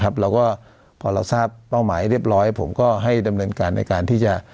แล้วก็พอเราทราบเป้าหมายเรียบร้อยผมก็ให้ดำเนินการในการที่จะ